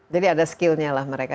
jadi ada skillnya lah mereka